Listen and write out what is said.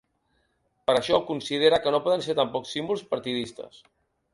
Per això considera que no poden ser tampoc símbols partidistes.